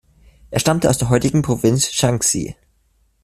Er stammte aus der heutigen Provinz Shanxi.